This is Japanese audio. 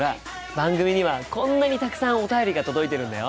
番組にはこんなにたくさんお便りが届いているんだよ。